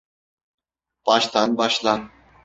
Baştan başla.